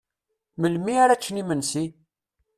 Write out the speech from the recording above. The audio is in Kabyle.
Melmi ara ččen imensi?